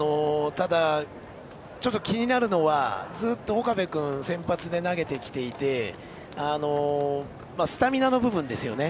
ちょっと気になるのはずっと岡部君が先発で投げてきてスタミナの部分ですよね。